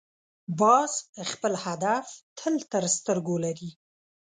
باز خپل هدف تل تر سترګو لري